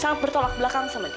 sangat bertolak belakang sama kita